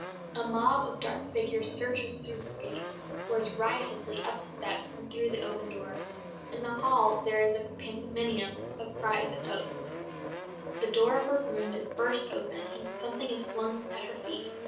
A mob of dark figures surges through her gates, pours riotously up the steps and through the open door. In the hall there is a pandemonium of cries and oaths; the door of her room is burst open, and something is flung at her feet.